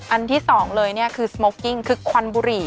อันที่๒เลยคือครึกควันบุหรี่